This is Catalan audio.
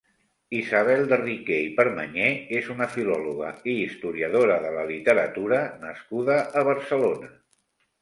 Isabel de Riquer i Permanyer és una filòloga i historiadora de la literatura nascuda a Barcelona.